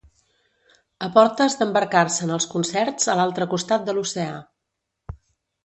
A portes d'embarcar-se en els concerts a l'altre costat de l'oceà.